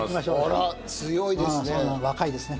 あら強いですね。